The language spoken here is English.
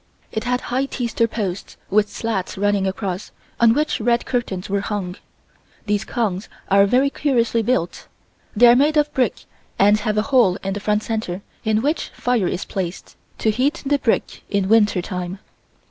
It had high teaster posts with slats running across on which red curtains were hung. These kongs are very curiously built. They are made of brick and have a hole in the front center in which fire is placed to heat the brick in winter time.